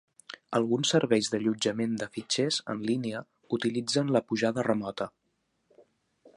Alguns serveis d"allotjament de fitxers en línia utilitzen la pujada remota.